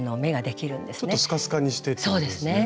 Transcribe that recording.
ちょっとスカスカにしてってことですね。